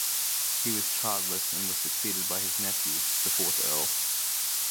He was childless and was succeeded by his nephew, the fourth Earl.